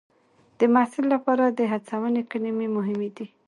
د محصل لپاره د هڅونې کلمې مهمې دي.